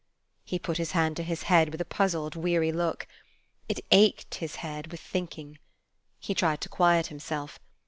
He put his hand to his head, with a puzzled, weary look. It ached, his head, with thinking. He tried to quiet himself.